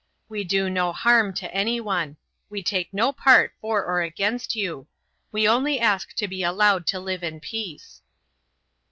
We do no harm to anyone; we tak no part for or against you; we only ask to be allowed to live in peace."